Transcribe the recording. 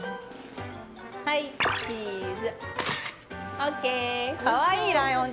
はい、チーズ。